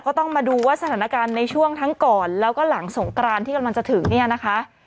ก็ต้องมาดูว่าสถานการณ์ในช่วงทั้งก่อนแล้วก็หลังสงกรานที่กำลังจะถึงเนี่ยนะคะ